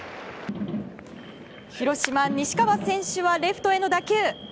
広島、西川選手はレフトへの打球。